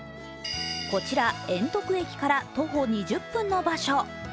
こちら延徳駅から徒歩２０分の場所。